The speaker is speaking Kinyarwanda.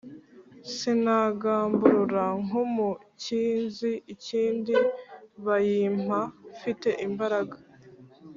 sinagamburura nk'umukinzi, inkindi bayimpa mfite imbaraga.